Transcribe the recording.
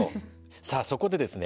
さあそこでですね